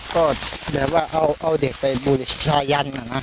ก็แบบว่าเอาเด็กไปบูชายัน